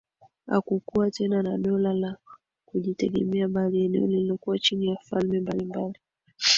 hakukuwa tena na dola la kujitegemea bali eneo lilikuwa chini ya falme mbalimbali